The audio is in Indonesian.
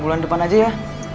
bulan depan aja ya